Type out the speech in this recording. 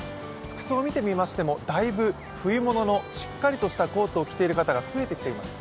服装を見てみましても冬物のしっかりとしたコートを着ている方が増えてきています。